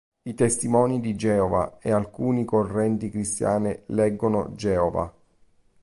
I Testimoni di Geova e alcune correnti cristiane leggono: "Geova".